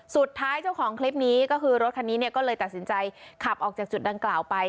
เจ้าของคลิปนี้ก็คือรถคันนี้เนี่ยก็เลยตัดสินใจขับออกจากจุดดังกล่าวไป